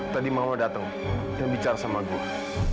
tadi mama datang yang bicara sama gue